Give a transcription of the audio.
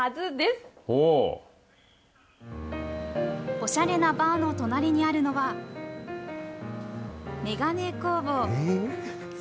おしゃれなバーの隣にあるのは、メガネ工房。